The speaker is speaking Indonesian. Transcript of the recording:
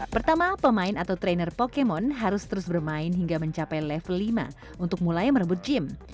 pertama pemain atau trainer pokemon harus terus bermain hingga mencapai level lima untuk mulai merebut gym